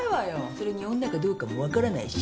それに女かどうかも分からないし。